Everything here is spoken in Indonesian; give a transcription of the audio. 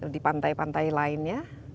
di pantai pantai lainnya